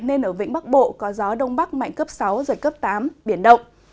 nên ở vĩnh bắc bộ có gió đông bắc mạnh cấp sáu giật cấp tám biển động